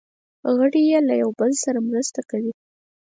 غړي یې د یو بل سره مرسته کوي.